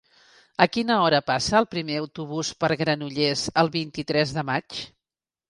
A quina hora passa el primer autobús per Granollers el vint-i-tres de maig?